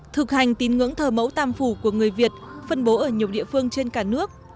thực hành tín ngưỡng thờ mẫu tam phủ của người việt phân bố ở nhiều địa phương trên cả nước